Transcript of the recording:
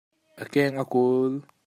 A keeng a kul.